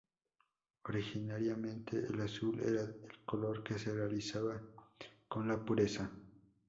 Originariamente el azul era el color que se relacionaba con la pureza.